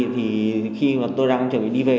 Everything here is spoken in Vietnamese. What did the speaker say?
thì khi mà tôi đang chuẩn bị đi về